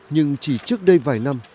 nhưng chỉ trước đây vài năm